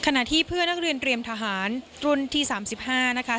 ขณะที่เพื่อนนักเรียนเตรียมทหารรุ่นที่๓๕นะคะ